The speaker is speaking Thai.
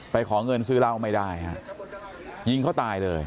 ขอเงินซื้อเหล้าไม่ได้ฮะยิงเขาตายเลย